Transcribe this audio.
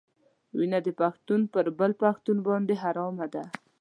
وینه د پښتون پر بل پښتون باندې حرامه ده.